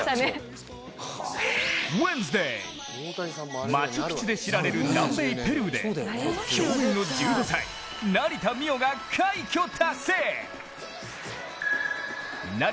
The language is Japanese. ウェンズデー、マチュピチュで知られる南米ペルーで、競泳の１５歳、成田実生が快挙達成。